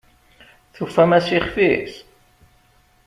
Tufamt-as ixf-is?